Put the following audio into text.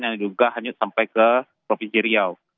yang diduga hanya sampai ke provinsi riau